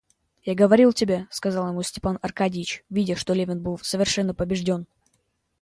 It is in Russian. Я говорил тебе, — сказал ему Степан Аркадьич, видя, что Левин был совершенно побежден.